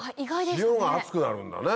塩が熱くなるんだね。